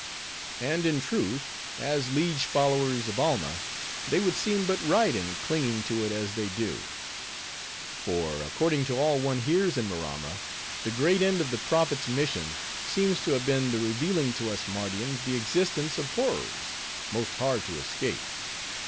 And in truth, as liege followers of Alma, they would seem but right in clinging to it as they do; for, according to all one hears in Maramma, the great end of the prophet's mission seems to have been the revealing to us Mardians the existence of horrors, most hard to escape.